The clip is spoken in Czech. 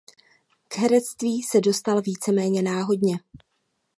K herectví se dostal víceméně náhodně.